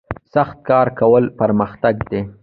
سخت کار کول پرمختګ دی